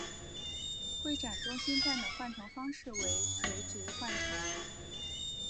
会展中心站的换乘方式为垂直换乘。